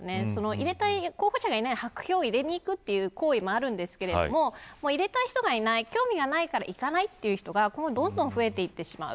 入れたい候補者がいない白票を入れに行くという声もありますが入れたい人がいない興味がないから行かないという人がどんどん増えていってしまう。